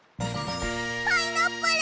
パイナップル！